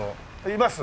います？